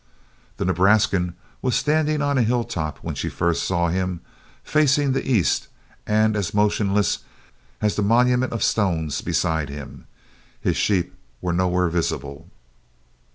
The Nebraskan was standing on a hilltop when she first saw him, facing the east and as motionless as the monument of stones beside him. His sheep were nowhere visible.